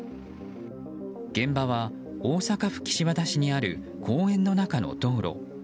現場は、大阪府岸和田市にある公園の中の道路。